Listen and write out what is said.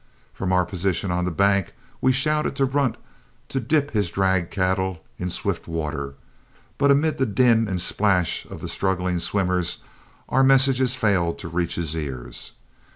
From our position on the bank, we shouted to Runt to dip his drag cattle in swift water; but amid the din and splash of the struggling swimmers our messages failed to reach his ears.